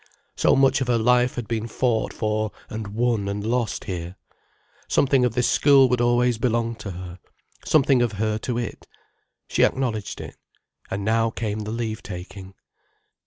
So much of her life had been fought for and won and lost here. Something of this school would always belong to her, something of her to it. She acknowledged it. And now came the leave taking.